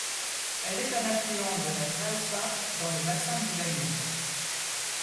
Elle est un affluent de la Salzach dans le bassin du Danube.